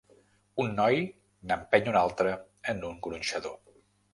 Un noi n'empeny un altre en un gronxador.